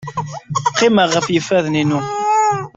Qqimeɣ ɣef yifadden-inu.